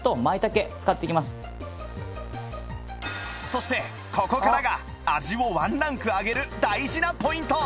そしてここからが味をワンランク上げる大事なポイント